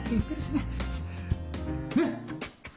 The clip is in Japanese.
ねっ？